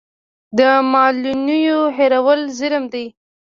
د معلولینو هېرول ظلم دی.